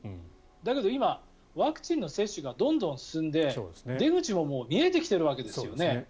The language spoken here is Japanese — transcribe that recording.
だけど今、ワクチンの接種がどんどん進んで、出口ももう見えてきているわけですよね。